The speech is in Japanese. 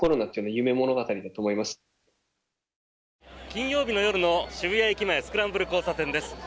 金曜日の夜の渋谷駅前スクランブル交差点です。